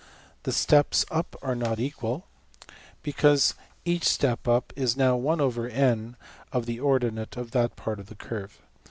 The steps up are not equal, because each step up is now $\dfrac{n}$~of the ordinate \emph{at that part} of the curve.